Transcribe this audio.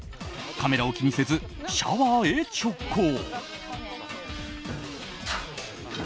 カメラを気にせずシャワーへ直行。